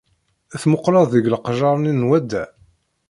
Tmuqleḍ deg leqjaṛ nni n wadda?